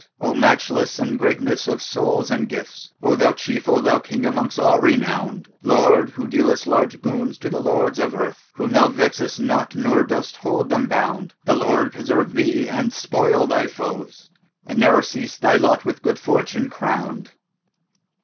O matchless in greatness of soul and gifts, * O thou Chief, O thou King amongst all renowned: Lord, who dealest large boons to the Lords of Earth, * Whom thou vexest not nor dost hold them bound The Lord preserve thee, and spoil thy foes, * And ne'er cease thy lot with good Fortune crowned!"